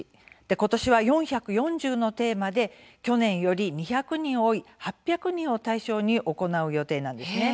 今年は４４０のテーマで去年より２００人多い８００人を対象に行う予定なんです。